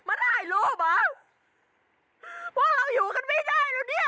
มันได้รูปเหรอว่าเราอยู่กันไม่ได้แล้วเนี้ย